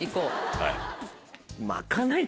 はい。